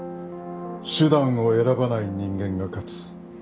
手段を選ばない人間が勝つ。